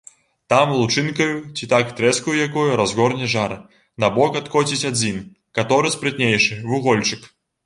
Там лучынкаю, ці так трэскаю якою, разгорне жар, набок адкоціць адзін, каторы спрытнейшы, вугольчык.